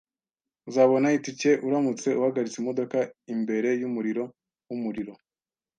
Uzabona itike uramutse uhagaritse imodoka imbere yumuriro wumuriro